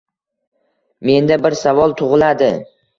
Menda bir savol tugʻiladi.